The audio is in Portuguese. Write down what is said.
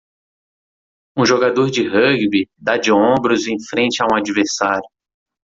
Um jogador de rugby dá de ombros em frente a um adversário.